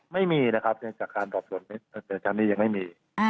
ไม่มีนะครับจากการปรับศูนย์แต่ฉันที่ยังไม่มี